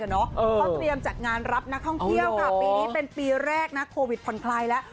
เขาเตรียมจัดงานรับนักท่องเที่ยวค่ะปีนี้เป็นปีแรกนะโควิดผ่อนคลายแล้ว